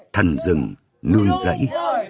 thần rừng nương giấy